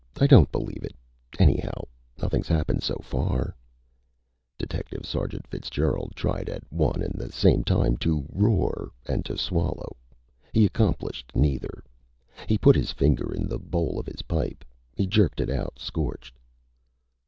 I don't believe it. Anyhow nothing's happened so far." Detective Sergeant Fitzgerald tried at one and the same time to roar and to swallow. He accomplished neither. He put his finger in the bowl of his pipe. He jerked it out, scorched.